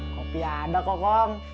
kopi ada kok kong